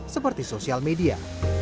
seperti sosial media